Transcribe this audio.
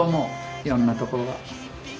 いろんなところが。